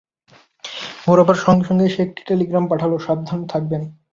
ভোর হবার সঙ্গে-সঙ্গেই সে একটি টেলিগ্রাম পাঠাল, সাবধান থাকবেন!